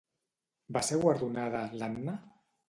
Va ser guardonada l'Anna?